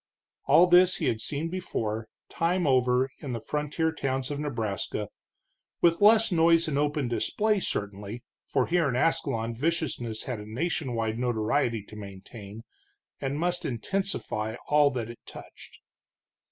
All this he had seen before, time over, in the frontier towns of Nebraska, with less noise and open display, certainly, for here in Ascalon viciousness had a nation wide notoriety to maintain, and must intensify all that it touched.